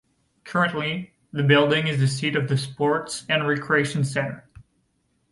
Currently the building is the seat of the Sports and Recreation Center.